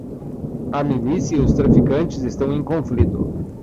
A milícia e os traficantes estão em conflito.